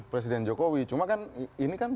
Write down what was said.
presiden jokowi cuma kan ini kan